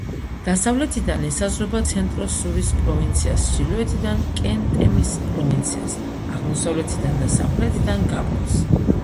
დასავლეთიდან ესაზღვრება ცენტრო-სურის პროვინციას, ჩრდილოეთიდან კე-ნტემის პროვინციას, აღმოსავლეთიდან და სამხრეთიდან გაბონს.